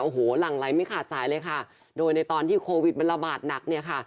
โอ้โหหลั่งไหลไม่ขาดสายเลยค่ะโดยในตอนที่โควิดมันระบาดหนักเนี่ยค่ะ